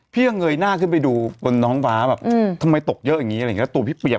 พี่ก็เงยหน้าขึ้นไปดูควรน้องฟ้าฯแบบทำไมตกเยอะอย่างงี้อะไรงี้